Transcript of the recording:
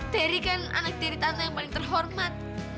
terry kan anak tiri tante yang paling terhormat